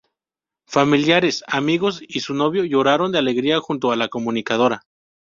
Familiares, amigos y su novio lloraron de alegría junto a la comunicadora.